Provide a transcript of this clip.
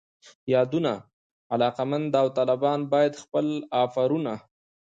یادونه: علاقمند داوطلبان باید خپل آفرونه